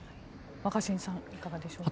若新さんいかがでしょう。